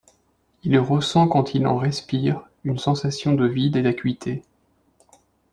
Il ressent quand il en respire, une sensation de vide et d’acuité.